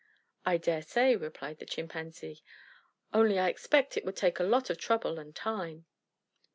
"I dare say," replied the Chimpanzee. "Only I expect it would take a lot of trouble and time."